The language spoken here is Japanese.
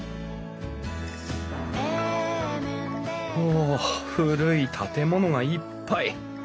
お古い建物がいっぱい。